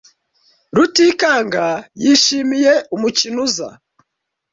Rutikanga yishimiye umukino uza.